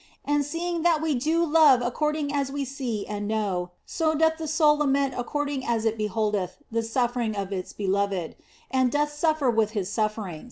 And seeing that we do love according as we see and know, so doth the soul lament according as it beholdeth the sufferings of its Beloved, and doth suffer with His suffer ing.